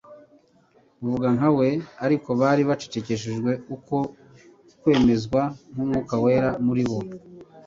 uvuga nka we ». Ariko bari bacecekesheje uko kwemezwa n'Umwuka wera muri bo.